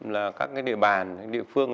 là các cái địa bàn địa phương